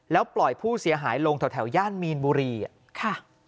แล้วปล่อยผู้เสียหายลงแถวย่านมีนบุรีอ่ะค่ะ